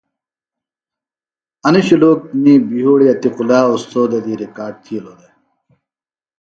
انوۡ شُلوک می بھئیوڑی عتیق اللہ اوستوذہ دی ریکارڈ تھیلوۡ دےۡ